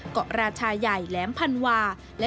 ราชาใหญ่แหลมพันวา